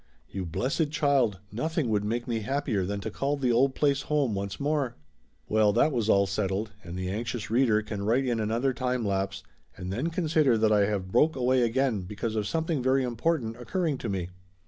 "You blessed child, nothing would make me happier than to call the old place home once more !" Well, that was all settled and the anxious reader can write in another time lapse and then consider that I have broke away again because of something very im portant occurring to me.